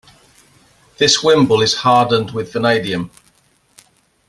This wimble is hardened with vanadium.